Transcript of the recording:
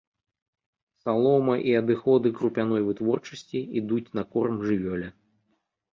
Салома і адыходы крупяной вытворчасці ідуць на корм жывёле.